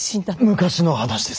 昔の話です。